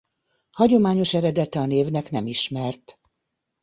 Hagyományos eredete a névnek nem ismert.